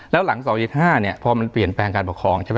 แล้วหลัง๑๒๔๕พอมันเปลี่ยนแปลงการปกครอง